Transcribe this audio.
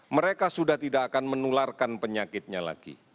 mereka sudah tidak akan menularkan penyakitnya lagi